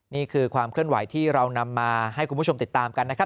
นี่คือความเคลื่อนไหวที่เรานำมาให้คุณผู้ชมติดตามกันนะครับ